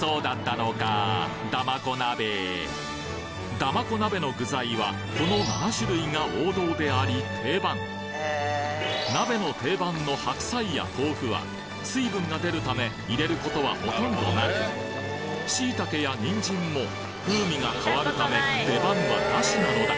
だまこ鍋の具材はこの７種類が王道であり定番鍋の定番の白菜や豆腐は水分が出るため入れることはほとんどなくしいたけやにんじんも風味が変わるため出番は無しなのだ！